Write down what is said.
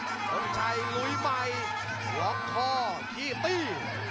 คนชัยหลุยใหม่หลอกคอทีตี้